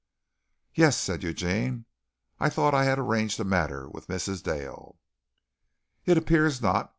"Yes," said Eugene. "I thought I had arranged that matter with Mrs. Dale." "It appears not.